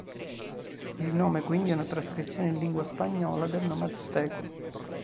Il nome quindi è una trascrizione in lingua spagnola del nome azteco.